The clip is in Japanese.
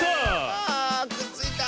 あくっついた！